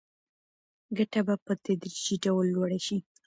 ګټه به په تدریجي ډول لوړه شي.